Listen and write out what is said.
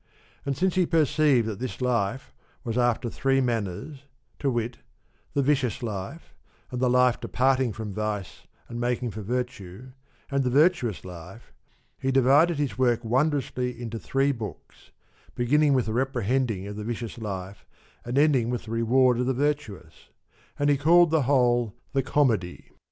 And since he perceived that this life was after three manners, to wit, the vicious life, and the life departing from vice and making for virtue, and the virtuous life, he divided his work wondrously into three books, beginning with the reprehending of the vicious life, and ending with the reward of the virtuous ; and he called the whole the Comedy.